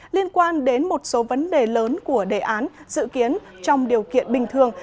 liên quan đến một số vấn đề lớn của đề án dự kiến trong điều kiện bình thường